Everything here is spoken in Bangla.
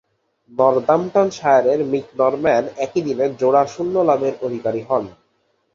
নর্দাম্পটনশায়ারের মিক নরম্যান একই দিনে জোড়া শূন্য লাভের অধিকারী হন।